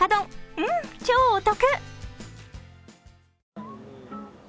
うん、超お得！